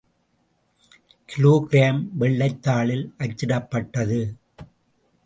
Kilo gram வெள்ளைத் தாளில் அச்சிடப்பட்டது.